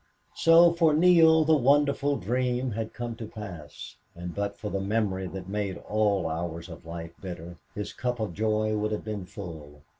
24 So for Neale the wonderful dream had come to pass, and but for the memory that made all hours of life bitter his cup of joy would have been full.